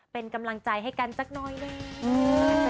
เป็นกำลังใจให้กันจั๊ะก่อนหน่อยนะ